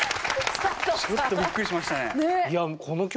ちょっとびっくりしましたね。